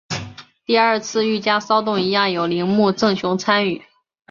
第二次御家骚动一样有铃木正雄参与。